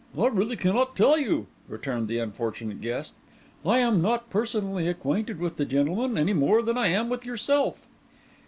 "I really cannot tell you," returned the unfortunate guest. "I am not personally acquainted with the gentleman, any more than I am with yourself."